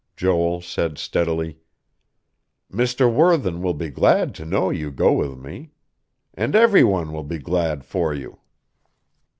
Joel said steadily: "Mr. Worthen will be glad to know you go with me. And every one will be glad for you...."